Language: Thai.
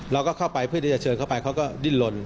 เราก็เข้าไปเพื่อที่จะเชิญเข้าไปเขาก็ดิ้นลน